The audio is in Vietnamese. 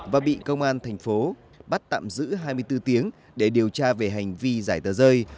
và bị công an thành phố bắt tạm giữ hai mươi bốn tiếng để điều tra về hành vi giải tờ rơi